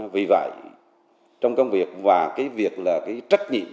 vì vậy trong công việc và cái việc là cái trách nhiệm